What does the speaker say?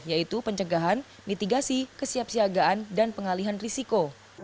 yaitu pencegahan mitigasi kesiapsiagaan dan pengalihan risiko